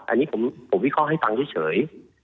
อันนี้ผมวิเคราะห์ให้ฟังเฉย